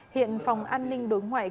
hiện phòng an ninh đối ngoại công an bắc cạn